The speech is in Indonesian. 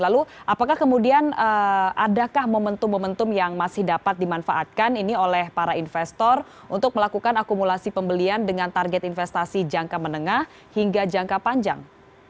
lalu apakah kemudian adakah momentum momentum yang masih dapat dimanfaatkan ini oleh para investor untuk melakukan akumulasi pembelian dengan target investasi jangka menengah hingga jangka panjang